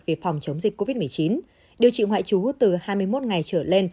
về phòng chống dịch covid một mươi chín điều trị ngoại trú từ hai mươi một ngày trở lên